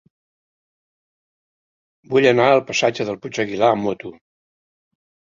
Vull anar al passatge del Puig Aguilar amb moto.